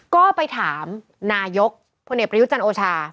ก็ไปถามนายกพลเอกประยุจันทร์โอชา